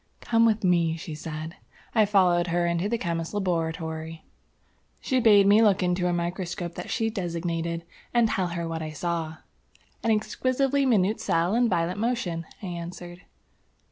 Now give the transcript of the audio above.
"Come with me," she said. I followed her into the Chemist's Laboratory. She bade me look into a microscope that she designated, and tell her what I saw. "An exquisitely minute cell in violent motion," I answered.